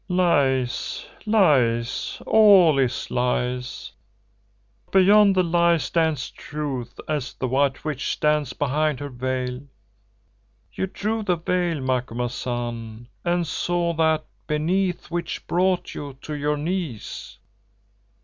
"Lies, lies, all is lies! But beyond the lie stands Truth, as the White Witch stands behind her veil. You drew the veil, Macumazahn, and saw that beneath which brought you to your knees.